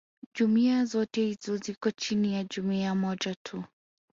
jumuiya zote hizo ziko chini ya jumuiya moja tu